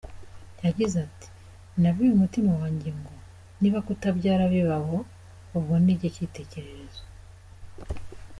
Yagize ati “Nabwiye umutima wanjye ngo “niba kutabyara bibabo, ubwo ni njye cyitegererezo.